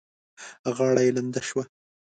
غاړه يې لنده شوه.